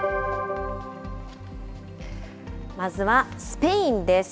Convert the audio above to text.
まずはスペインです。